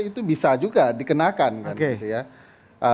itu bisa juga dikenakan oke